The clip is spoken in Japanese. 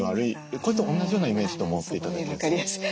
これと同じようなイメージと思って頂けると。